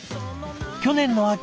去年の秋